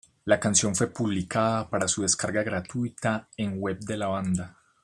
La canción fue publicada para su descarga gratuita en web de la banda.